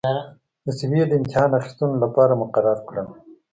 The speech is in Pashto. د سویې د امتحان اخیستلو لپاره مقرر کړل.